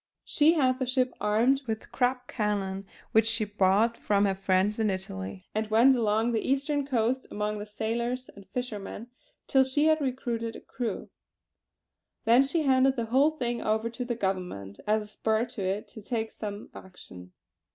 She had the ship armed with Krupp cannon which she bought through friends in Italy; and went along the Eastern coast amongst the sailors and fishermen till she had recruited a crew. Then she handed the whole thing over to the Government as a spur to it to take some action.